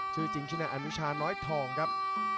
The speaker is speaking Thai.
ชื่อจริงชื่อนายอนุชาน้อยทองครับ